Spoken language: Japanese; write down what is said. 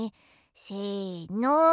せの。